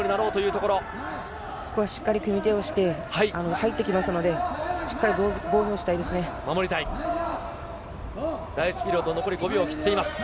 ここはしっかり組み手をして、入ってきますので、しっかり防御したいですね。